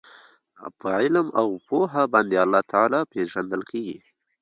په علم او پوهه باندي الله تعالی پېژندل کیږي